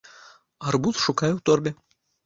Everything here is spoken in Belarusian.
Гарбуз шукае ў торбе.